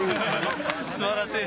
すばらしい！